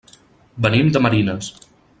Venim de Marines.